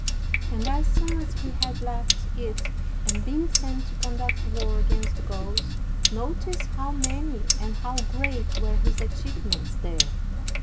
And as soon as he had left it and been sent to conduct war against the Gauls, notice how many and how great were his achievements there.